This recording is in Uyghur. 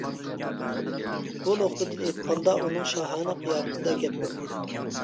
بۇ نۇقتىدىن ئېيتقاندا ئۇنىڭ شاھانە قىياپىتىدە گەپ يوق.